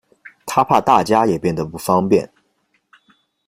她怕大家也变得不方便